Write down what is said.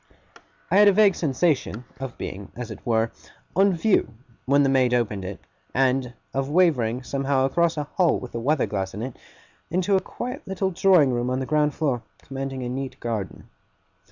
I had a vague sensation of being, as it were, on view, when the maid opened it; and of wavering, somehow, across a hall with a weather glass in it, into a quiet little drawing room on the ground floor, commanding a neat garden.